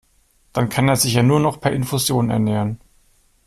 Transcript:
Dann kann er sich ja nur noch per Infusion ernähren.